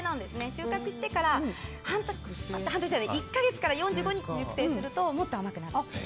収穫してから１か月から４５日熟成するともっと甘くなります。